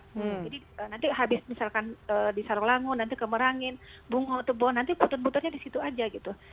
jadi nanti habis misalkan di sarawango nanti ke merangin bungo tebon nanti putut pututnya di situ saja gitu